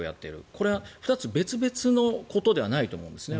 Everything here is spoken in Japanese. これは２つ別々のことではないと思うんですね。